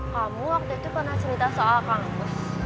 kamu waktu itu pernah cerita soal kampus